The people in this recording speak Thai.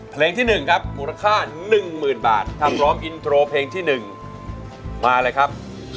เพลงที่หนึ่งครับมูลค่าหนึ่งหมื่นบาทถ้าพร้อมอินโทรเพลงที่หนึ่งมาเลยครับ